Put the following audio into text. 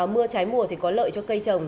mưa trái mùa thì có lợi cho cây trồng